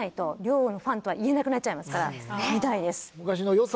見たいです。